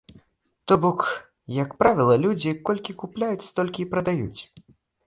То бок, як правіла, людзі колькі купляюць, столькі і прадаюць.